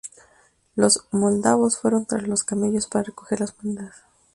Los moldavos fueron tras los camellos para recoger las monedas.